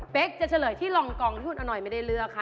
จะเฉลยที่รองกองที่คุณอนอยไม่ได้เลือกค่ะ